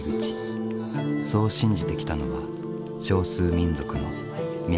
そう信じてきたのは少数民族のミャオ族だ。